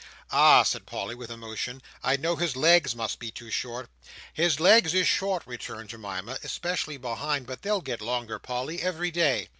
"Ah!" said Polly, with emotion, "I knew his legs must be too short." "His legs is short," returned Jemima; "especially behind; but they'll get longer, Polly, every day."